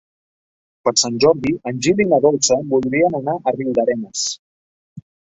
Per Sant Jordi en Gil i na Dolça voldrien anar a Riudarenes.